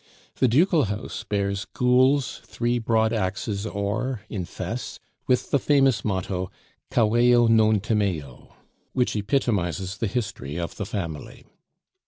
The ducal house bears gules, three broad axes or in fess, with the famous motto: Caveo non timeo, which epitomizes the history of the family.